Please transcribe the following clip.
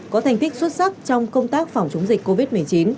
có thành tích xuất sắc trong công tác phòng chống dịch covid một mươi chín